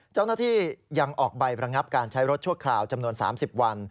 เจ้าหน้าที่ยังออกใบระงับการใช้รถชั่วคราวจำนวน๓๐วัน